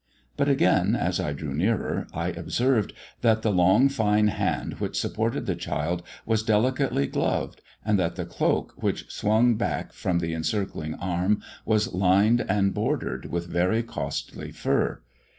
But again, as I drew nearer, I observed that the long fine hand which supported the child was delicately gloved, and that the cloak which swung back from the encircling arm was lined and bordered with very costly fur.